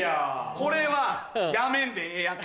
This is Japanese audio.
これはやめんでええやつ。